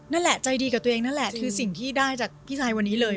นั่นแหละใจดีกับตัวเองนั่นแหละคือสิ่งที่ได้จากพี่ชายวันนี้เลย